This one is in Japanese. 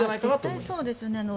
絶対そうですよね。